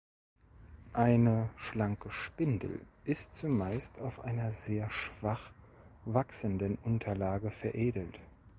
Eine "Schlanke Spindel" ist zumeist auf einer sehr schwach wachsenden Unterlage veredelt.